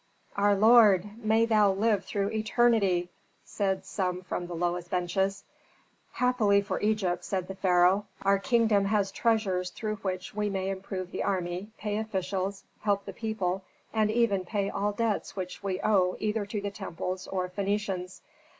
"Our lord, may thou live through eternity!" said some from the lowest benches. "Happily for Egypt," said the pharaoh, "our kingdom has treasures through which we may improve the army, pay officials, help the people, and even pay all debts which we owe either to the temples or Phœnicians.